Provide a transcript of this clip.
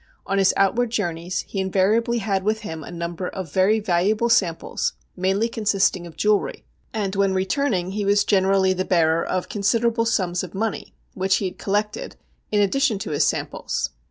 On his outward journeys he invariably had with him a number of very valuable samples mainly consisting of jewellery, and when returning he was generally the bearer of considerable sums of money, which he had collected, in addition to his samples.